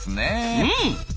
うん。